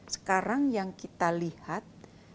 sekarang yang kita lihat